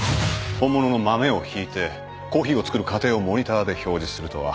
本物の豆をひいてコーヒーを作る過程をモニターで表示するとは